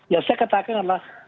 yang saya katakan adalah